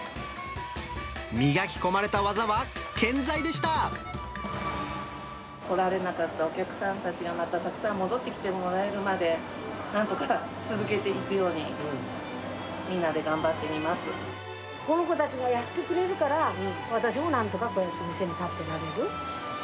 磨き込まれた技は健在でした。来られなかったお客さんたちが、またたくさん戻ってきてもらえるまでなんとか続けていくように、この子たちがやってくれるから、私もなんとかこうやって店に立ってられる。